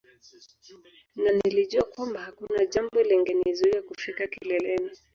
Na nilijua kwamba hakuna jambo lingenizuia kufika kileleni